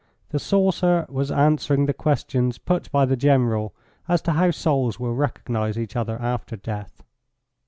The saucer was answering the questions put by the General as to how souls will recognise each other after death.